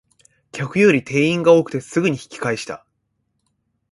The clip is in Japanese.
客より店員が多くてすぐに引き返した